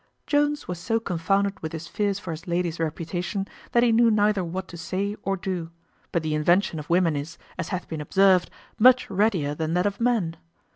Jones was so confounded with his fears for his lady's reputation, that he knew neither what to say or do; but the invention of women is, as hath been observed, much readier than that of men.